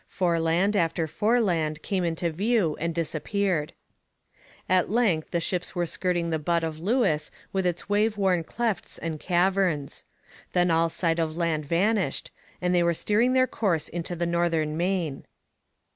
Foreland after foreland came into view and disappeared. At length the ships were skirting the Butt of Lewis with its wave worn clefts and caverns. Then all sight of land vanished, and they were steering their course into the northern main.